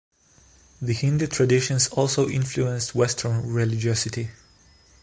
The Hindu traditions also influenced western religiosity.